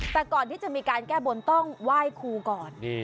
แต่ก่อนที่จะมีการแก้บนต้องไหว้ครูก่อน